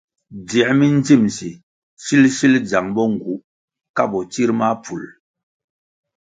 Dzier mi ndzimsi sil sil dzang bo ngu ka botsir mahpful.